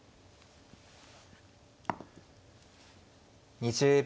２０秒。